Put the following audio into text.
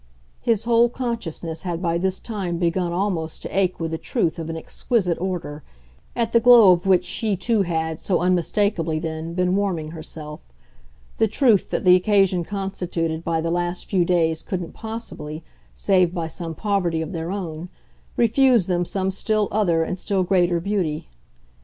His whole consciousness had by this time begun almost to ache with a truth of an exquisite order, at the glow of which she too had, so unmistakably then, been warming herself the truth that the occasion constituted by the last few days couldn't possibly, save by some poverty of their own, refuse them some still other and still greater beauty.